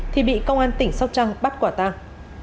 thì bị công an tỉnh sóc trăng bắt quả tang